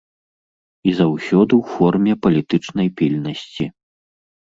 І заўсёды ў форме палітычнай пільнасці.